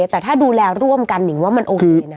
แต่ถ้าดูแลร่วมกันหนิงว่ามันโอเคนะ